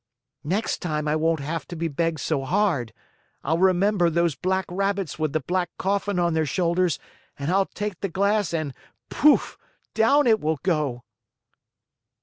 "Next time I won't have to be begged so hard. I'll remember those black Rabbits with the black coffin on their shoulders and I'll take the glass and pouf! down it will go!"